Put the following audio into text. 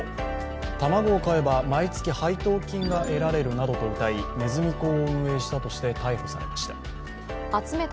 卵を買えば毎月配当金が得られるなどとうたいねずみ講を運営したとして逮捕されました。